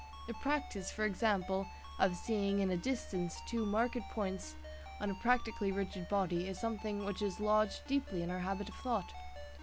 The practice, for example, of seeing in a "distance" two marked positions on a practically rigid body is something which is lodged deeply in our habit of thought.